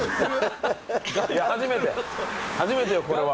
初めてよこれは。